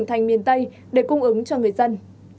tạo điều kiện mua sắm cho người dân